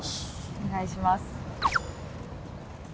お願いします。